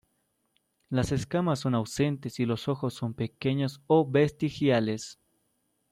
Las escamas son ausentes y los ojos son pequeños o vestigiales.